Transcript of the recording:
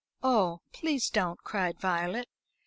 "Oh, please don't!" cried Violet.